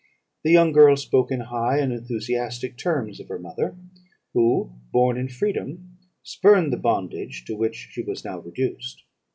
The young girl spoke in high and enthusiastic terms of her mother, who, born in freedom, spurned the bondage to which she was now reduced.